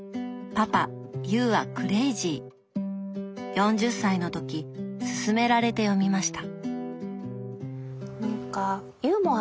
４０歳の時すすめられて読みました。